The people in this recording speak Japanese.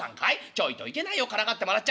ちょいといけないよからかってもらっちゃ。